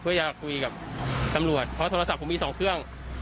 เพื่อจะคุยกับตำรวจเพราะโทรศัพท์ผมมี๒เครื่อง